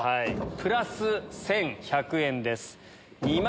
プラス１１００円です。